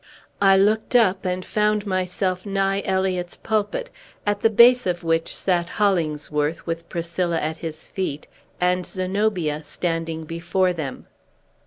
I looked up and found myself nigh Eliot's pulpit, at the base of which sat Hollingsworth, with Priscilla at his feet and Zenobia standing before them.